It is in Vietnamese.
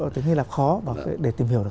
tiếng hy lạp khó và để tìm hiểu được